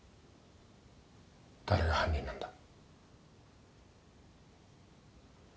誰が犯人なんだ？